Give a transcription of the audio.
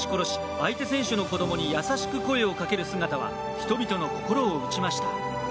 相手選手の子供に優しく声をかける姿は人々の心を打ちました。